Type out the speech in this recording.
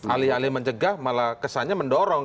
alih alih mencegah malah kesannya mendorong